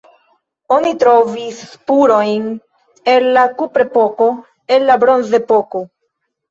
Oni trovis spurojn el la kuprepoko, el la bronzepoko.